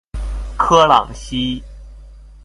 科朗西。